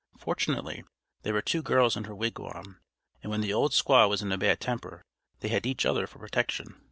Fortunately there were two girls in her wigwam, and when the old squaw was in a bad temper they had each other for protection.